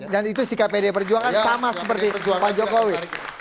dan itu si kpd perjuangan sama seperti pak jokowi